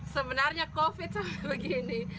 sebenarnya covid sampai begini